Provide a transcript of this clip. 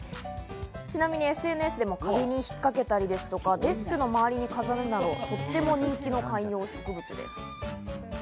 ちなみにＳＮＳでも壁に引っかけたり、デスクの周りに飾るなど、とっても人気の観葉植物です。